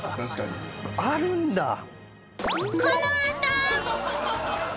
あるんだ。